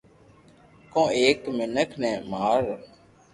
ڪو ايڪ مينک ني مار